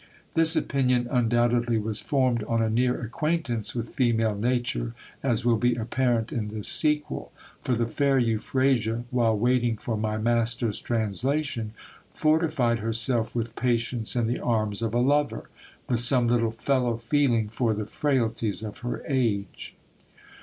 This opinion undoubtedly was formed on a near acquaintance with female nature, as will be apparent in the sequel ; for the fair Euphrasia, while waiting for my master's translation, fortified herself with patience in the arms of a lover, with some little fellow feeling for the frailties of her age.